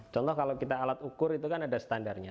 contoh kalau kita alat ukur itu kan ada standarnya